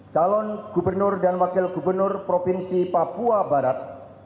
calon gubernur dan wakil gubernur provinsi papua barat